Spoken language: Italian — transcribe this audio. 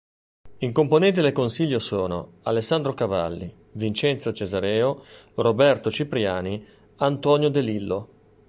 I componenti del consiglio sono: Alessandro Cavalli, Vincenzo Cesareo, Roberto Cipriani, Antonio De Lillo.